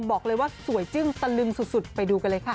บอกเลยว่าสวยจึ้งตะลึงสุดไปดูกันเลยค่ะ